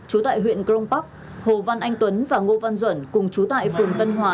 trú tại huyện crong park hồ văn anh tuấn và ngô văn duẩn cùng chú tại phường tân hòa